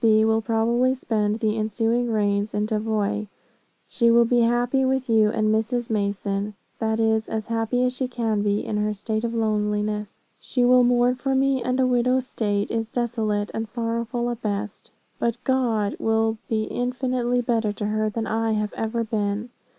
B. will probably spend the ensuing rains in Tavoy. She will be happy with you and Mrs. Mason; that is, as happy as she can be in her state of loneliness. She will mourn for me, and a widow's state is desolate and sorrowful at best. But God will he infinitely better to her, than I have ever been.'